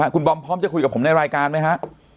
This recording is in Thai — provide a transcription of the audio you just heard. คุณบอมพร้อมจะคุยกับผมในรายการไหมฮะ